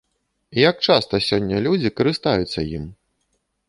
Як часта сёння людзі карыстаюцца ім?